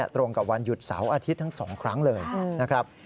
ตรงกับวันหยุดเสาร์อาทิตย์ทั้ง๒ครั้งเลยนะครับ